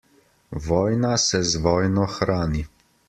Vojna se z vojno hrani.